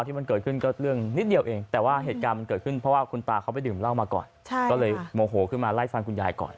ถึงขั้นก็เอามีบไล่ฟันกัน